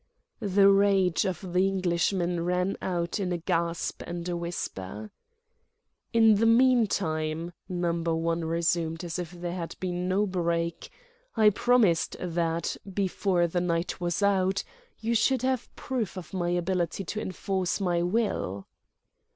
The rage of the Englishman ran out in a gasp and a whisper. "In the meantime," Number One resumed as if there had been no break, "I promised that, before the night was out, you should have proof of my ability to enforce my will."